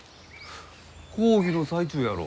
講義の最中やろう。